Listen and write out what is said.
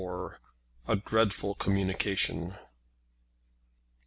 A DREADFUL COMMUNICATION.